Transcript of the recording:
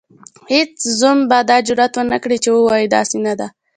هیڅ زوم به دا جرئت ونکړي چې ووايي داسې نه ده.